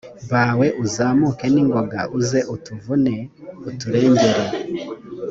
bawe uzamuke n ingoga uze utuvune uturengere